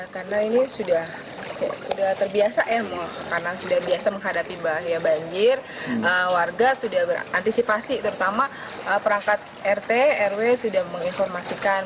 karena ini sudah terbiasa karena sudah biasa menghadapi banjir warga sudah berantisipasi terutama perangkat rt rw sudah menginformasikan